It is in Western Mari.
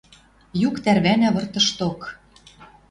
Юк тӓрвӓнӓ выртышток.